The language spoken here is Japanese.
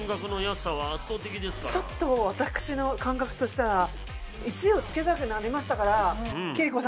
ちょっと私の感覚としたら「１」をつけたくなりましたから。